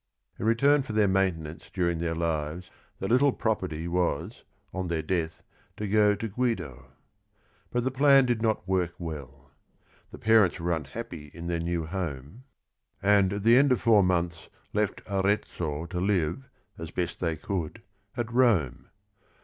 In return for their maintenance during their lives, their little property was, on their death, to go to Guido. But the plan did not work well. The parents were unhappy in their new home, and at the end of four months left Arezzo to live, as best they could, at Rome.